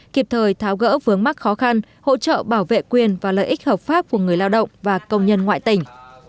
kịp thời tháo gỡ vướng mắc khó khăn hỗ trợ bảo vệ quyền và lợi ích hợp pháp của người lao động và công nhân ngoại tỉnh